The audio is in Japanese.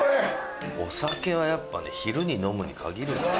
お酒はやっぱね昼に飲むに限るね。